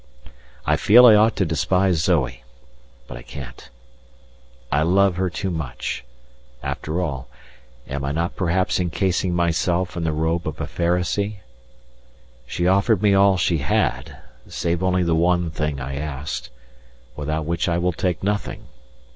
I feel I ought to despise Zoe, but I can't. I love her too much; after all, am I not perhaps encasing myself in the robe of a Pharisee? She offered me all she had, save only the one thing I asked, without which I will take nothing.